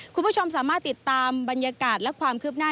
คุณผู้ชมสามารถติดตามบรรยากาศและความคืบหน้า